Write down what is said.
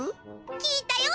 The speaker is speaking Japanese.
聞いたよ。